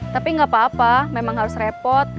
tapi nggak apa apa memang harus repot